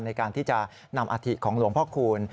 ในการที่จะนำอาธิของหลวงพ่อคูณ